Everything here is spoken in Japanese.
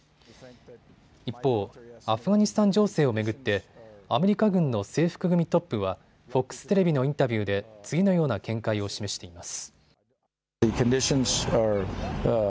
一方、アフガニスタン情勢を巡ってアメリカ軍の制服組トップはＦＯＸテレビのインタビューで次のような見解を示しています。